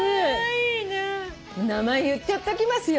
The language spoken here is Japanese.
名前言っちゃっときますよ。